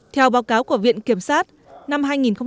theo báo cáo của viện kiểm sát năm hai nghìn một mươi bảy